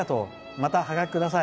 またはがきください。